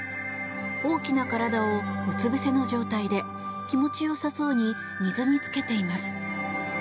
大きな体をうつぶせの状態で気持ちよさそうに水につけています。